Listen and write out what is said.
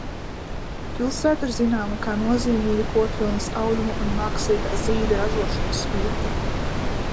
Pilsēta ir zināma kā nozīmīga kokvilnas audumu un mākslīgā zīda ražošanas vieta.